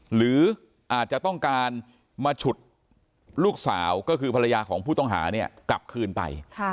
หรืออาจจะต้องการมาฉุดลูกสาวก็คือภรรยาของผู้ต้องหาเนี่ยกลับคืนไป